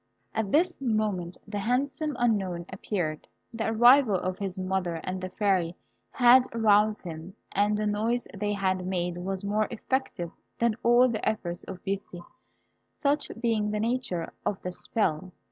At this moment the handsome Unknown appeared. The arrival of his mother and the Fairy had aroused him, and the noise they had made was more effective than all the efforts of Beauty; such being the nature of the spell.